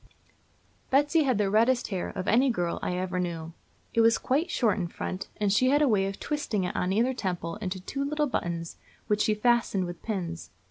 Betsy had the reddest hair of any girl I ever knew. It was quite short in front, and she had a way of twisting it, on either temple, into two little buttons, which she fastened with pins.